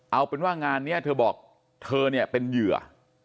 เอาเป็นว่างานนี้เธอบอกเธอเนี่ยเป็นเหยื่อ